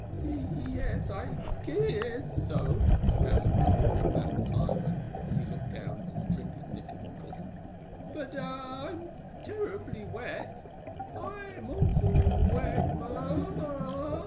"Ye yes, I I guess so," stammered the "little fat fireman," as he looked down at his dripping knickerbockers. "But I I'm terrible wet! I'm awful wet ma mamma!"